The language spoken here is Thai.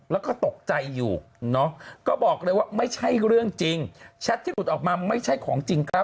แล้วก็ตกใจอยู่เนอะก็บอกเลยว่ะไม่ใช่เรื่องจริงแชทสูตรออกมาไม่ใช่ของ